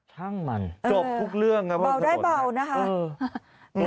ช่างมันเออจบทุกเรื่องนะครับบ่าวได้บ่าวนะฮะเออ